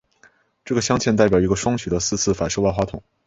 这个镶嵌代表一个双曲的四次反射万花筒。